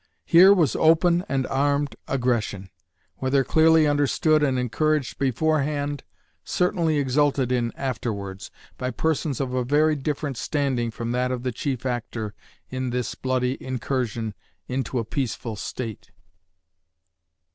Here was open and armed "aggression"; whether clearly understood and encouraged beforehand, certainly exulted in afterwards, by persons of a very different standing from that of the chief actor in this bloody incursion into a peaceful State.